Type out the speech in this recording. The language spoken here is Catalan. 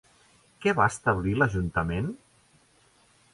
Què va establir l'ajuntament?